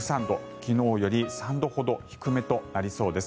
昨日より３度ほど低めとなりそうです。